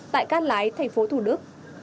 tại các lái tp thủ đức